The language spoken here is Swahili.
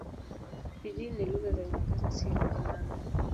Pijini ni lugha za nyongeza, si lugha mama.